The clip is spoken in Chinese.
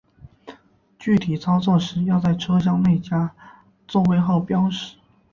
具体操作时要在车厢内加座位号标识。